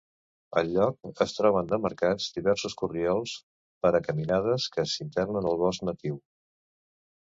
Al lloc es troben demarcats diversos corriols per a caminades que s'internen al bosc natiu.